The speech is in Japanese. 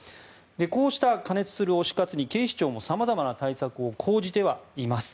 こうした過熱する推し活に警視庁も様々な対策を講じてはいます。